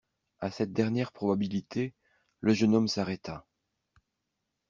A cette dernière probabilité, le jeune homme s'arrêta.